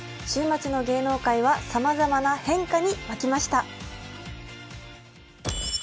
週末の芸能界はさまざまな変化に湧きました。